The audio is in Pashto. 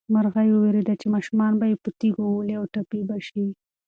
مرغۍ وېرېده چې ماشومان به یې په تیږو وولي او ټپي به شي.